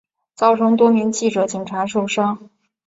造成多名记者警察受伤